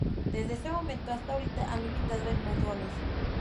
Desde ese momento hasta ahora ha militado en Mudhoney.